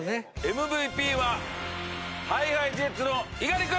ＭＶＰはＨｉＨｉＪｅｔｓの猪狩君！